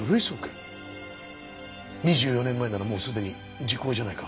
２４年前ならもうすでに時効じゃないか。